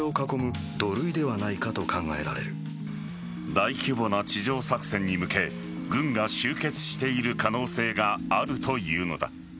大規模な地上作戦に向け軍が集結している可能性があるというのだ。